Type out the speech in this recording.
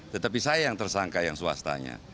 tetapi saya yang tersangka yang swastanya